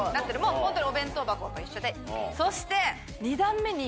ホントにお弁当箱と一緒でそして。